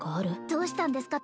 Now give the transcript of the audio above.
どうしたんですか？